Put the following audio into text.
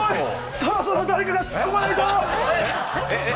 そろそろ誰かツッコまないと！